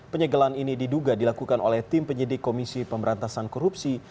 penyegelan ini diduga dilakukan oleh tim penyidik komisi pemberantasan korupsi